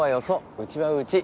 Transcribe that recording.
うちはうち。